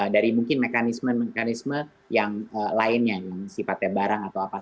dari mungkin mekanisme mekanisme yang lainnya yang sifatnya barang atau apa